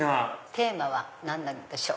テーマは何でしょう？